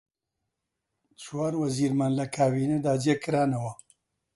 چوار وەزیرمان لە کابینەدا جێ کرانەوە: